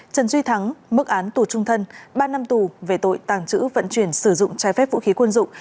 trần duy thắng mức án tù trung thân ba năm tù về tội tàng trữ vận chuyển sử dụng trái phép vũ khí quân dụng